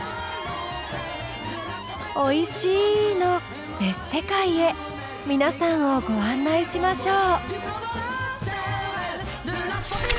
おいしいの別世界へ皆さんをご案内しましょう。